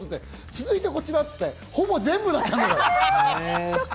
続いてこちらをほぼ全部だったのよ。